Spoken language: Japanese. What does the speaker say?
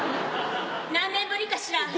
何年ぶりかしら？